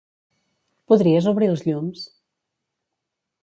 Podries obrir els llums?